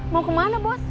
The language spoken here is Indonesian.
mau kemana bos